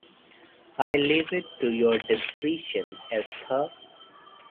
I leave it to your discretion, Esther.